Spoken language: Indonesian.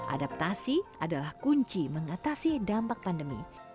adaptasi adalah kunci mengatasi dampak pandemi